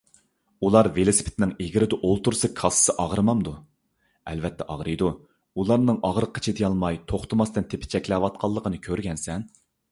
_ ئۇلار ۋېلىسىپىتنىڭ ئېگىرىدە ئولتۇرسا كاسسىسى ئاغرىمامدۇ؟ _ ئەلۋەتتە ئاغرىيدۇ، ئۇلارنىڭ ئاغرىققا چىدىيالماي توختىماستىن تېپىچەكلەۋاتقانلىقىنى كۆرگەنىسەن.